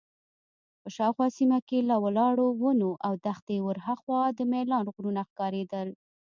په شاوخوا سیمه کې له ولاړو ونو او دښتې ورهاخوا د میلان غرونه ښکارېدل.